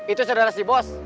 itu saudara si bos